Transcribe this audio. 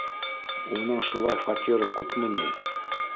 Уның шулай фатиры күпме ни?